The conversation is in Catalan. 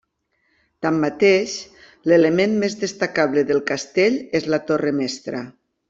Tanmateix, l'element més destacable del castell és la torre mestra.